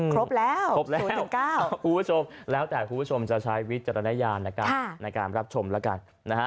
ครบแล้วครบแล้วภูเวอร์ชมแล้วแต่ภูเวอร์ชมจะใช้วิจารณญาณในการชมแล้วกัน